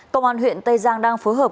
công an huyện tây giang đang phối hợp